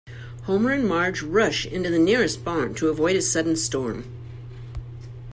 Homer and Marge rush into the nearest barn to avoid a sudden storm.